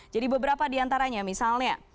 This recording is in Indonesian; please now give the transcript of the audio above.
jadi beberapa diantaranya misalnya